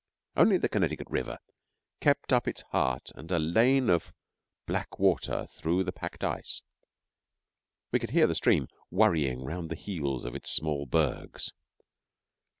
Only the Connecticut River kept up its heart and a lane of black water through the packed ice; we could hear the stream worrying round the heels of its small bergs.